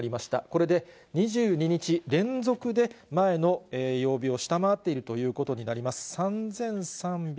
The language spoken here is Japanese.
これで２２日連続で、前の曜日を下回っているということになります。